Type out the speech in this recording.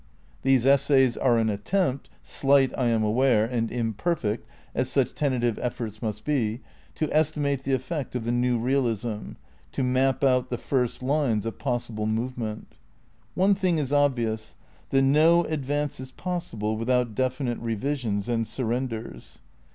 These essays are an attempt — slight, I am aware, and imperfect, as such tentative efforts must be — to estimate the effect of the New Realism, to map out the first lines of pos sible movement. One thing is obvious : that no advance is possible without definite revisions and surrenders.